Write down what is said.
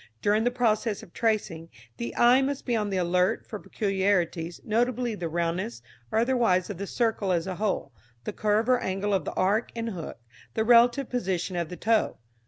During the process of tracing, the eye must be on the alert for peculiarities, notably the roundness or otherwise of the circle as a whole, the curve or angle of the arc and hook, the relative position of the toe.